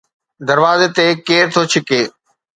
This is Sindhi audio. دروازي تي ڪير ٿو ڇڪي؟